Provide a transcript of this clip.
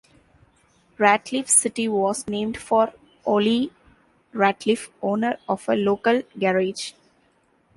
Ratliff City was named for Ollie Ratliff, owner of a local garage.